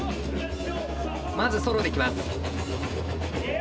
まずソロで来ます。